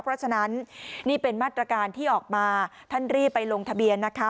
เพราะฉะนั้นนี่เป็นมาตรการที่ออกมาท่านรีบไปลงทะเบียนนะคะ